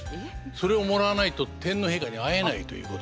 それをもらわないと天皇陛下に会えないということで。